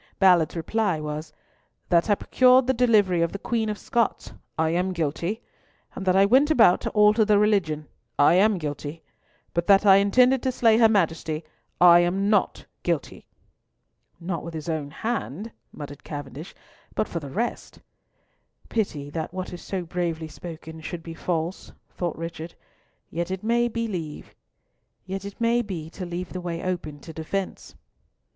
Ballard's reply was, "That I procured the delivery of the Queen of Scots, I am guilty; and that I went about to alter the religion, I am guilty; but that I intended to slay her Majesty, I am not guilty." "Not with his own hand," muttered Cavendish, "but for the rest—" "Pity that what is so bravely spoken should be false," thought Richard, "yet it may be to leave the way open to defence."